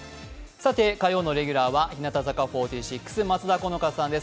火曜のレギュラーは日向坂４６、松田好花さんです。